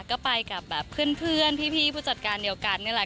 ก็ไปกับแบบเพื่อนพี่ผู้จัดการเดียวกันนี่แหละ